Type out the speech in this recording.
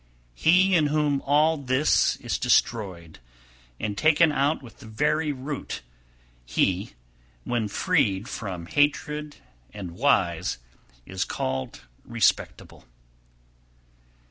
263. He in whom all this is destroyed, and taken out with the very root, he, when freed from hatred and wise, is called respectable.